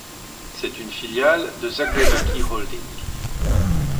C'est une filiale de Zagrebaki Holding.